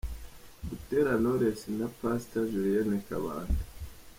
Butera Knowless na Pastor Julienne Kabanda.